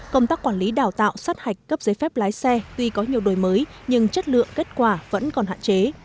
công tác quản lý đào tạo sát hạch cấp giấy phép lái xe tuy có nhiều đổi mới nhưng chất lượng kết quả vẫn còn hạn chế